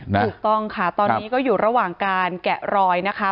ถูกต้องค่ะตอนนี้ก็อยู่ระหว่างการแกะรอยนะคะ